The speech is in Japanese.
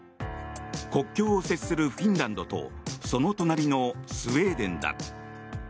国境を接するフィンランドとその隣のスウェーデンだ。